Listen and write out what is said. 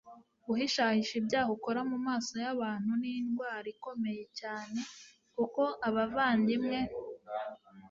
guhishahisha ibyaha ukora mu maso y'abantu, ni indwara ikomeye cyane, kuko abavandimwe